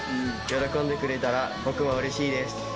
喜んでくれたら僕もうれしいです。